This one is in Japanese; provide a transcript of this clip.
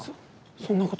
そそんなこと。